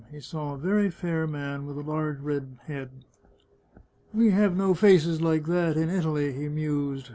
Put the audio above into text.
He saw a very fair man with a large red head. " We have no faces like that in Italy," he mused.